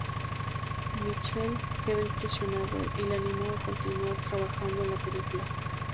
Mitchell quedó impresionado y le animó a continuar trabajando en la película.